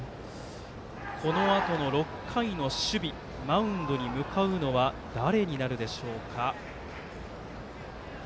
このあとの６回の守備マウンドに向かうのは誰になるでしょうか。